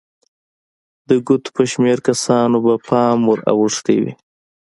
د ګوتو په شمېر کسانو به پام ور اوښتی وي.